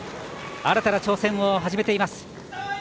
新たな挑戦を始めています。